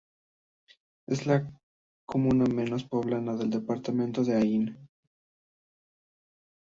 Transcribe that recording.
Es la comuna menos poblada del departamento de Ain.